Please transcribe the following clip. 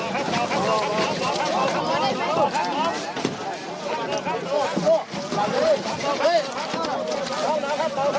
นี่มันเป็นถนนของใครครับ